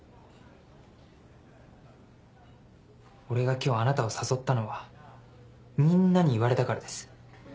俺が今日あなたを誘ったのはみんなに言われたからです。